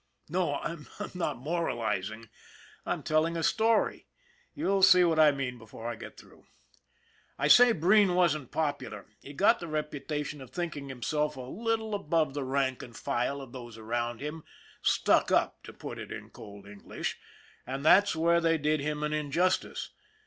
No, I'm not moralizing, I'm telling a story, you'll see what I mean before I get through. I say Breen wasn't popular. He got the reputation of thinking himself a little above the rank and file of those around him, stuck up, to put it in cold English, and that's where they did him an injustice.